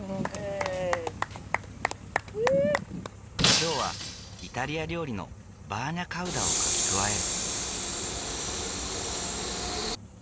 今日はイタリア料理のバーニャカウダを書き加える。